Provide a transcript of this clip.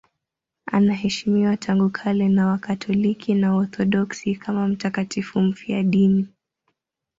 Anaheshimiwa tangu kale na Wakatoliki na Waorthodoksi kama mtakatifu mfiadini.